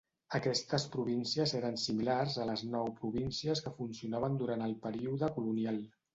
Aquestes províncies eren similars a les nou províncies que funcionaven durant el període colonial.